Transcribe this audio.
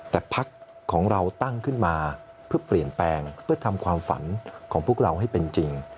แต่พักของเราตั้งขึ้นมาเพื่อเปลี่ยนแปลงเพื่อทำความฝันของพวกเราให้เป็นจริง